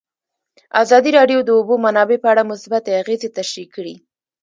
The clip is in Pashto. ازادي راډیو د د اوبو منابع په اړه مثبت اغېزې تشریح کړي.